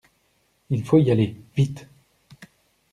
Il faut y aller, vite!